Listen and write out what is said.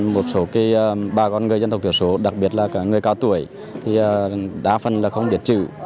một số bà con người dân thuộc tiểu số đặc biệt là người cao tuổi đa phần không biết chữ